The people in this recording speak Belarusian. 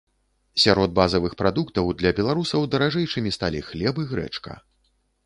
Сярод базавых прадуктаў для беларусаў даражэйшымі сталі хлеб і грэчка.